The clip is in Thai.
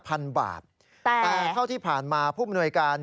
แต่การตรวจที่ผ่านมาผู้ปนวยการ